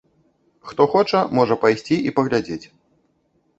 Хто хоча, можа пайсці і паглядзець.